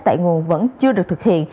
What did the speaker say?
tại nguồn vẫn chưa được thực hiện